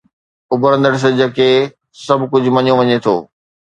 اڀرندڙ سج کي سڀ ڪجهه مڃيو وڃي ٿو.